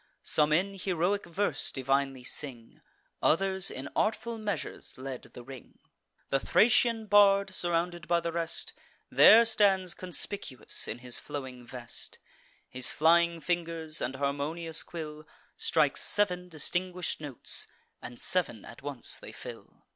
Some in heroic verse divinely sing; Others in artful measures led the ring. The Thracian bard, surrounded by the rest, There stands conspicuous in his flowing vest; His flying fingers, and harmonious quill, Strikes sev'n distinguish'd notes, and sev'n at once they fill.